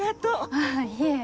あぁいえ。